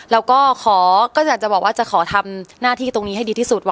แล้วก็ขอก็อยากจะบอกว่าจะขอทำหน้าที่ตรงนี้ให้ดีที่สุด